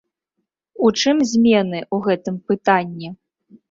У чым змены ў гэтым пытанні?